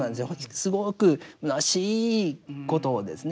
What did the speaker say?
すごくむなしいことですね。